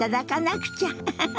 フフフフ。